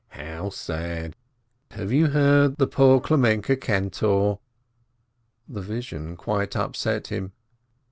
"How sad! You have heard? The poor Kle menke cantor " The vision quite upset him.